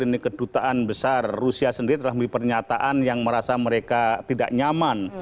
ini kedutaan besar rusia sendiri telah memiliki pernyataan yang merasa mereka tidak nyaman